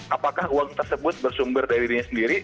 apakah uang tersebut bersumber dari dirinya sendiri